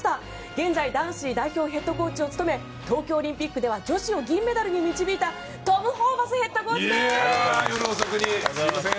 現在男子代表ヘッドコーチを務めオリンピックでは女子を銀メダルに導いたトム・ホーバスヘッドコーチです。